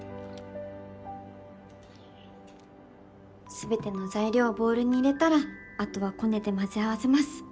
全ての材料をボウルに入れたらあとはこねて交ぜ合わせます。